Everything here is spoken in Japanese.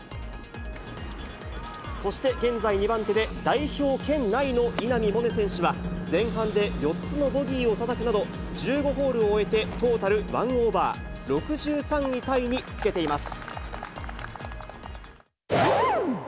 そして現在２番手で、代表圏内の稲見萌寧選手は、前半で４つのボギーをたたくなど、１５ホールを終えて、トータルワンオーバー、６３位タイにつけています。